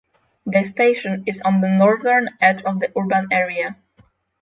The station is on the northern edge of the urban area.